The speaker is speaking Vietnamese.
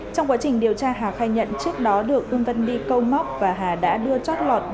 trong quá trình điều tra hà khai nhận trước đó được ương vân đi câu móc và hà đã đưa trót lọt